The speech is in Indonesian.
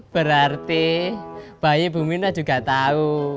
berarti bayi pominah juga tahu